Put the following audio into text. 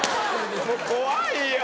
怖いよ。